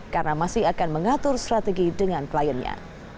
karena masih akan mengatur strategi dengan kliennya